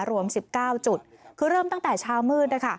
รวม๑๙จุดคือเริ่มตั้งแต่เช้ามืดนะคะ